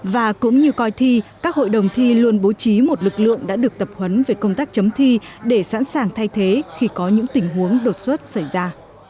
và cũng như coi thi các hội đồng thi luôn bố trí một lực lượng đã được tập huấn về công tác chấm thi để sẵn sàng thay thế khi có những tình huống đột xuất xảy ra